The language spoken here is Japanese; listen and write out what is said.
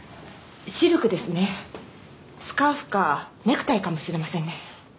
スカーフかネクタイかもしれませんね。